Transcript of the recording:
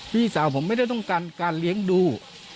พี่สาวผมไม่ได้ต้องการการเลี้ยงดู